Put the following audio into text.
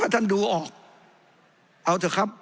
ท่านดูออกเอาเถอะครับ